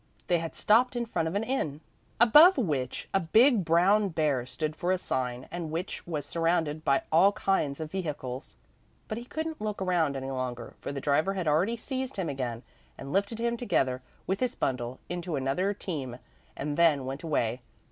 They had stopped in front of an inn, above which a big brown bear stood for a sign and which was surrounded by all kinds of vehicles. But he couldn't look around any longer, for the driver had already seized him again and lifted him together with his bundle into another team and then went away.